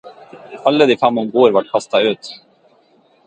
Alle de fem om bord ble kastet ut.